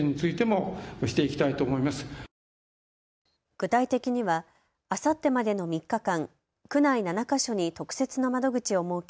具体的にはあさってまでの３日間、区内７か所に特設の窓口を設け